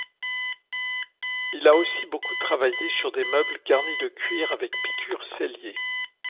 Il a aussi beaucoup travaillé sur des meubles garnis de cuir avec piqûres sellier.